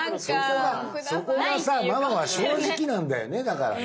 そこがそこがさママは正直なんだよねだからね。